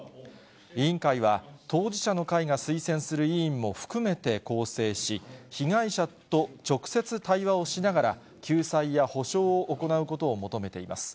委員会は、当事者の会が推薦する委員も含めて構成し、被害者と直接対話をしながら、救済や補償を行うことを求めています。